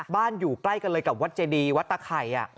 อยู่ใกล้กันเลยกับวัดเจดีวัดตะไข่